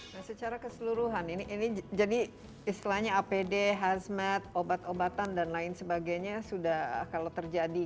nah secara keseluruhan ini jadi istilahnya apd hazmat obat obatan dan lain sebagainya sudah kalau terjadi